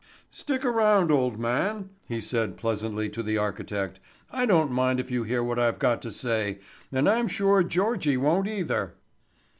"Stick around, old man," he said pleasantly to the architect. "I don't mind if you hear what I've got to say and I'm sure Georgie won't either."